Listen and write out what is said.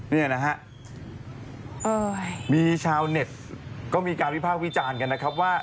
เนี่ยนะฮะมีชาวเน็ตก็มีการวิพากษ์วิจารณ์กันนะครับว่า